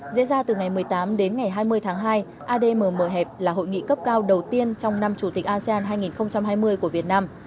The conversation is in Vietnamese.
diễn ra từ ngày một mươi tám đến ngày hai mươi tháng hai admm hẹp là hội nghị cấp cao đầu tiên trong năm chủ tịch asean hai nghìn hai mươi của việt nam